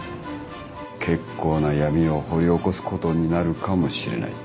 結構な闇を掘り起こすことになるかもしれない。